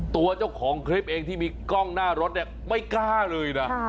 ตัวเจ้าของคลิปเองที่มีกล้องหน้ารถเนี่ยไม่กล้าเลยนะ